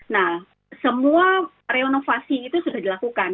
nah semua re inovasi itu sudah dilakukan